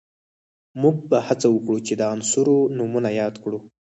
موږ به هڅه وکړو چې د عناصرو نومونه یاد کړو